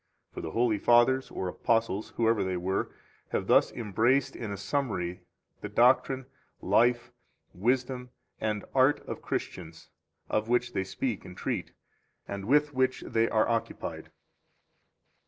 19 For the holy Fathers or apostles (whoever they were) have thus embraced in a summary the doctrine, life, wisdom, and art of Christians, of which they speak and treat, and with which they are occupied.